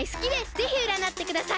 ぜひうらなってください！